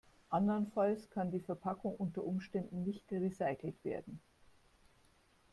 Andernfalls kann die Verpackung unter Umständen nicht recycelt werden.